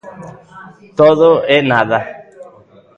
Todo e nada.